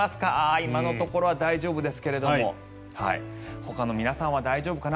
今のところは大丈夫ですけれどもほかの皆さんは大丈夫かな？